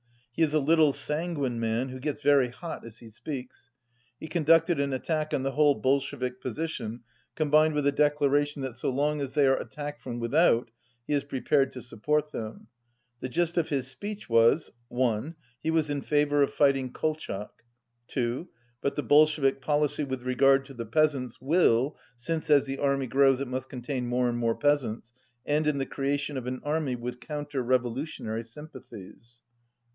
He is a little, sanguine man, who gets very hot as he speaks. He conducted an attack on the whole Bolshevik position combined with a declaration that so long as they are attacked from without he is prepared to support them. The gist of his speech was: i. He was in favour of fighting Kolchak. 2. But the Bolshevik policy with re gard to the peasants will, since as the army grows it must contain more and more peasants, end in the creation of an army with counter revolutionary sympathies.